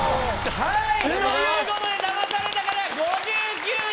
はい！ということで騙された方５９人！